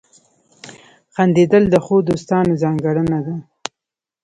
• خندېدل د ښو دوستانو ځانګړنه ده.